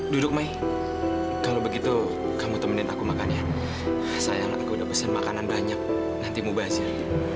duduk mai kalau begitu kamu temenin aku makan ya sayang aku udah pesen makanan banyak nanti mau bahas ya